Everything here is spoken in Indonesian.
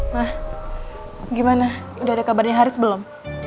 mah gimana udah ada kabarnya haris belum